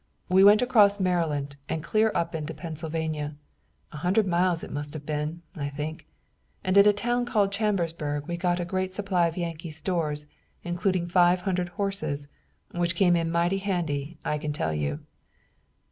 We went across Maryland and clear up into Pennsylvania, a hundred miles it must have been, I think, and at a town called Chambersburg we got a great supply of Yankee stores, including five hundred horses, which came in mighty handy, I can tell you.